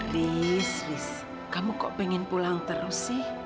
riz riz kamu kok ingin pulang terus sih